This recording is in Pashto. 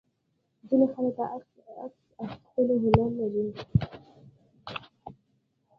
ځینې خلک د عکس اخیستلو هنر لري.